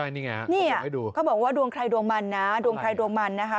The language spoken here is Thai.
นี่ไงเขาบอกว่าดวงใครดวงมันนะ